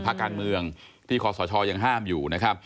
ภาคการเมืองที่ขอสชยังห้ามอยู่